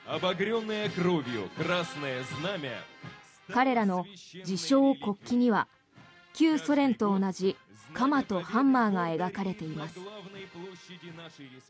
彼らの自称・国旗には旧ソ連と同じ鎌とハンマーが描かれています。